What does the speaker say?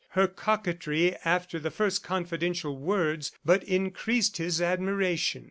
Her coquetry after the first confidential words, but increased his admiration.